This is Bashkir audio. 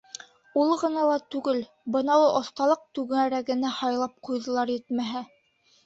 Ул ғына ла түгел, бынауы оҫталыҡ түңәрәгенә һайлап ҡуйҙылар, етмәһә.